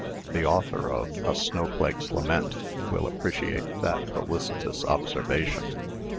The author of 'A Snowflake's Lament' will appreciate that felicitous observation.